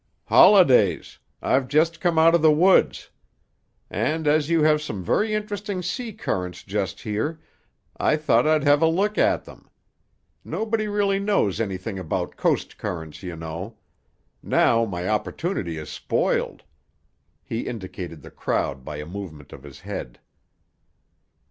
"Holidays. I've just come out of the woods. And as you have some very interesting sea currents just here, I thought I'd have a look at them. Nobody really knows anything about coast currents, you know. Now my opportunity is spoiled." He indicated the crowd by a movement of his head.